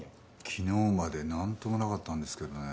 昨日までなんともなかったんですけどねえ。